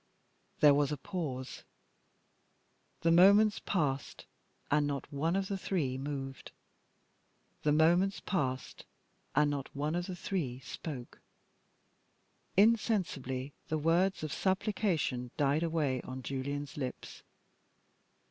THERE was a pause. The moments passed and not one of the three moved. The moments passed and not one of the three spoke. Insensibly the words of supplication died away on Julian's lips.